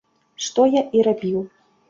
Што я і рабіў.